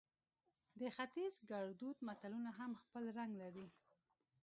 د ختیز ګړدود متلونه هم خپل رنګ لري